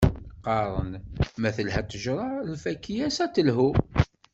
Qqaren, ma telha ṭṭejṛa, lfakya-s ad telhu.